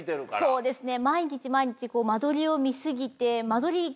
そうですね。